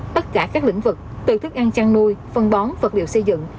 tất cả các lĩnh vực từ thức ăn chăn nuôi phân bón vật liệu xây dựng